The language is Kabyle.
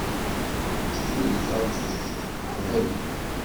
Ttxil-k, ṛju-t qbel.